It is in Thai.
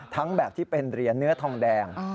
แบบที่เป็นเหรียญเนื้อทองแดง